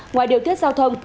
ngoài điều tiết giao thông